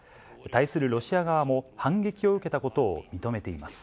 対するロシア側も、反撃を受けたことを認めています。